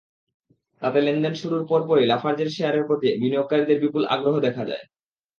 তাতে লেনদেন শুরুর পরপরই লাফার্জের শেয়ারের প্রতি বিনিয়োগকারীদের বিপুল আগ্রহ দেখা যায়।